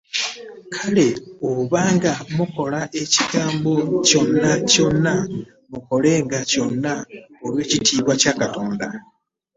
Kale oba nga mukola ekigambo kyonna kyonna, mukolenga byonna olw'ekitiibwa kya Katonda.